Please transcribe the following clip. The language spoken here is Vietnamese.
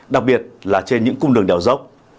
đặc biệt là trên những cung đường đèo dốc